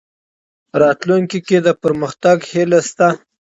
راتلونکې کې د پرمختګ هیله شته.